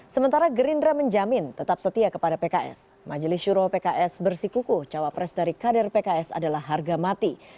sementara gerindra menjamin tetap setia kepada pks majelis syuro pks bersikuku cawapres dari kader pks adalah harga mati